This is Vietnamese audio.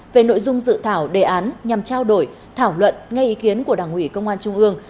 về nội dung dự thảo đề án nhằm trao đổi thảo luận ngay ý kiến của đảng ủy công an trung ương